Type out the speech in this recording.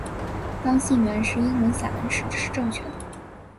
当信源是英文散文时这是正确的。